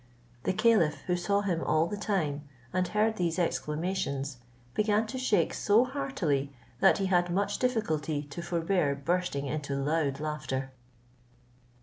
The caliph, who saw him all the time, and heard these exclamations, began to shake so heartily, that he had much difficulty to forbear bursting into loud laughter.